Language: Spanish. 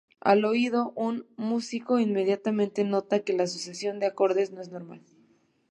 Al oído, un músico inmediatamente nota que la sucesión de acordes no es normal.